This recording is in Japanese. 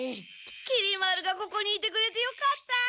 きり丸がここにいてくれてよかった。